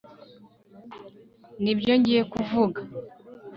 Nibyo ngiye kuvuga